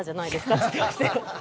って言ってましたよ。